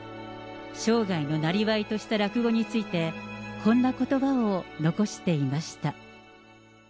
生涯のなりわいとした落語について、こんなことばを残していました。